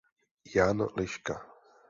Jan Liška.